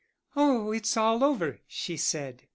'Oh, it's all over,' she said.